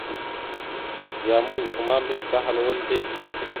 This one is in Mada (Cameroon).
Vya mouzak ma mbiyez tahal wal dik.